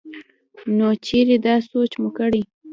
نو چرې دا سوچ مو کړے